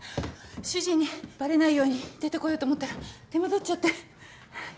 主人にバレないように出てこようと思ったら手間取っちゃってはぁ。